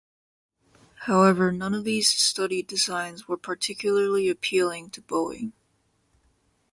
However, none of these studied designs were particularly appealing to Boeing.